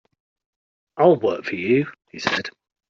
"I'll work for you," he said.